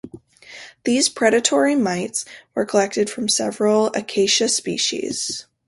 These predatory mites were collected from several "Acacia" species.